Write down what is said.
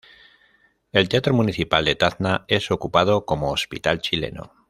El Teatro Municipal de Tacna es ocupado como hospital chileno.